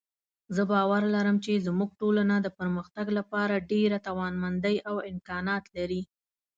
زه باور لرم چې زموږ ټولنه د پرمختګ لپاره ډېره توانمندۍ او امکانات لري